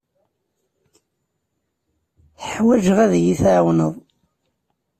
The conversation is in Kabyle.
Ḥwajeɣ ad iyi-tɛawneḍ.